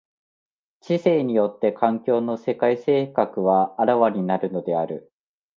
知性によって環境の世界性格は顕わになるのである。